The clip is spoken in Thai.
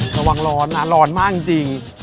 ระวังร้อนนะร้อนมากจริง